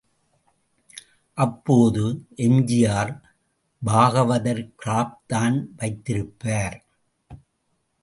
அப்போது எம்.ஜி.ஆர். பாகவதர் கிராப் தான் வைத்திருப்பார்.